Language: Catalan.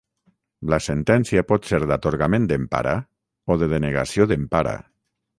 La sentència pot ser d'atorgament d'empara o de denegació d'empara.